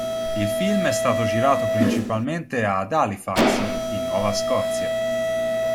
Il film è stato girato principalmente ad Halifax, in Nuova Scozia.